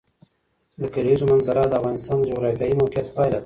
د کلیزو منظره د افغانستان د جغرافیایي موقیعت پایله ده.